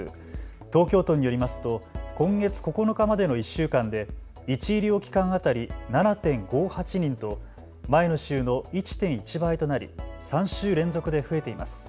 東京都によりますと今月９日までの１週間で１医療機関当たり７．５８人と前の週の１．１倍となり３週連続で増えています。